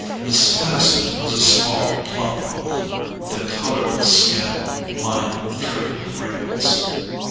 Mrs. Peniston was a small plump woman, with a colourless skin lined with trivial wrinkles.